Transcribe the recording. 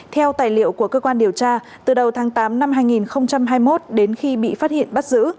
theo tài liệu của cơ quan điều tra từ đầu tháng tám năm hai nghìn hai mươi một đến khi bị phát hiện bắt giữ